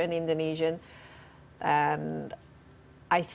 ini adalah contoh yang bagus